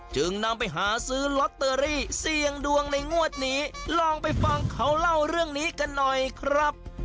จึงนำไปหาซื้อลอตเตอรี่เสี่ยงดวงในงวดนี้ลองไปฟังเขาเล่าเรื่องนี้กันหน่อยครับ